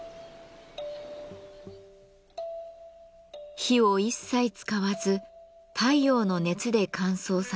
火を一切使わず太陽の熱で乾燥させる完全天日塩。